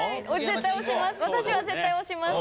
私は絶対押します。